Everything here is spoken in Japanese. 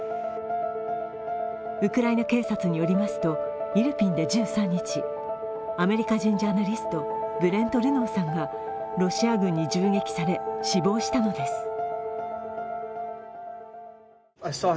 ウクライナ警察によりますとイルピンで１３日アメリカ人ジャーナリスト、ブレント・ルノーさんがロシア軍に銃撃され死亡したのです。